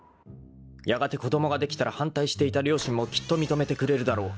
［やがて子供ができたら反対していた両親もきっと認めてくれるだろう］